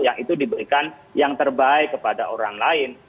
yang itu diberikan yang terbaik kepada orang lain